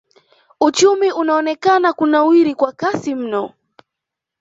Uchumi unaonekana kunawiri kwa kasi mno.